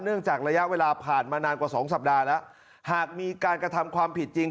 จากระยะเวลาผ่านมานานกว่าสองสัปดาห์แล้วหากมีการกระทำความผิดจริง